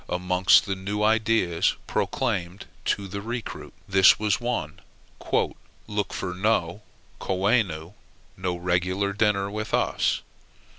Amongst the new ideas proclaimed to the recruit, this was one "Look for no 'coenu', no regular dinner, with us.